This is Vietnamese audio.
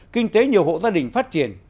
kinh tế nhiều hộ gia đình phát triển